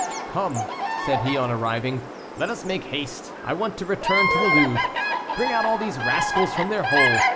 "Come," said he on arriving, "let us make haste; I want to return to the Louvre. Bring out all these rascals from their hole.